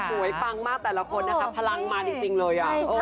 หวูยปำงมากแต่ละคนนะคะพลังมานี่จริงเลยอ่ะ